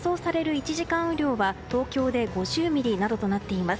１時間雨量は東京で５０ミリなどとなっています。